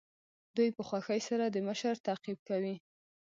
دوی په خوښۍ سره د مشر تعقیب کوي.